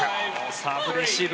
サーブレシーブ